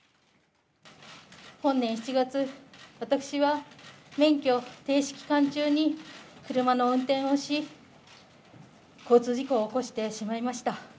本年７月、私は免許停止期間中に車の運転をし、交通事故を起こしてしまいました。